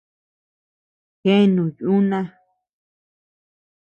Jeanu yuna.